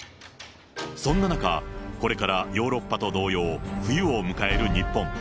そんな中、これからヨーロッパと同様、冬を迎える日本。